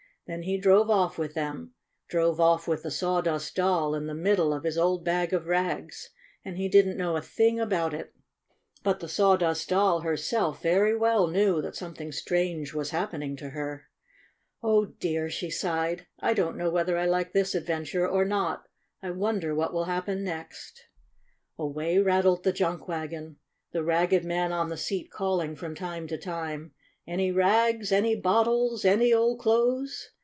Then he drove off with them — drove off with the Sawdust Doll in the middle of his old bag of rags, and he didn't know a thing about it! But the Sawdust Doll, herself, very well IN THE JUNK SHOP 91 knew that something strange was happen ing to her. " Oh, dear !?' she sighed. 6 ' I don 't know whether I like this adventure or not! I wonder what will happen next!" Away rattled the junk wagon, the ragged man on the seat calling from time to time :" Any rags? Any bottles? Any old clothes?"